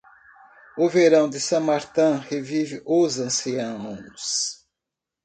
O verão de San Martín revive os anciãos.